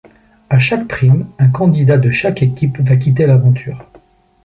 À chaque prime, un candidat de chaque équipe va quitter l'aventure.